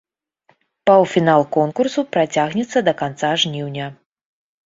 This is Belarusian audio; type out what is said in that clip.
Паўфінал конкурсу працягнецца да канца жніўня.